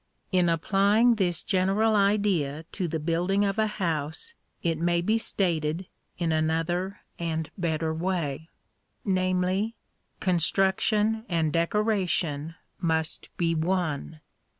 In applying this general idea to the building of a house, it may be stated, in another and better way; namely, construction and decoration must be one.